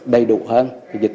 đầy đủ hơn